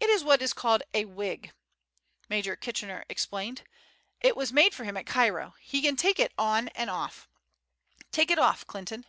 "It is what is called a wig," Major Kitchener explained. "It was made for him at Cairo; he can take it off and on. Take it off, Clinton."